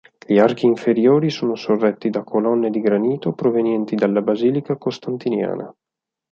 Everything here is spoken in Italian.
Gli archi inferiori sono sorretti da colonne di granito provenienti dalla basilica costantiniana.